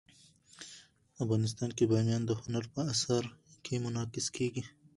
افغانستان کې بامیان د هنر په اثار کې منعکس کېږي.